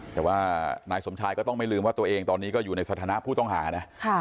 แต่ว่านายสมชายก็ต้องไม่ลืมว่าตัวเองตอนนี้ก็อยู่ในสถานะผู้ต้องหานะ